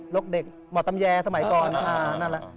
กเด็กหมอตำแยสมัยก่อนนั่นแหละ